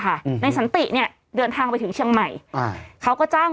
อืมในสันติเนี้ยเดินทางไปถึงเชียงใหม่อ่าเขาก็จ้าง